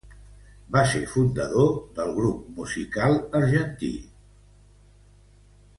Va ser fundador del grup musical argentí Los Piojos.